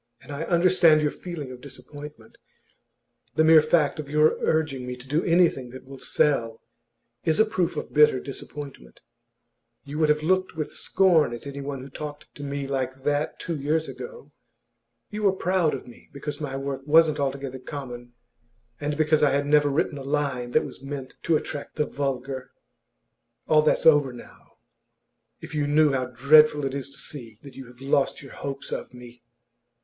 And I understand your feeling of disappointment. The mere fact of your urging me to do anything that will sell is a proof of bitter disappointment. You would have looked with scorn at anyone who talked to me like that two years ago. You were proud of me because my work wasn't altogether common, and because I had never written a line that was meant to attract the vulgar. All that's over now. If you knew how dreadful it is to see that you have lost your hopes of me!